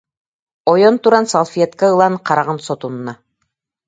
ойон туран салфетка ылан, хараҕын сотунна